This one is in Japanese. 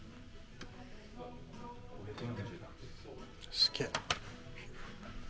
すげえ。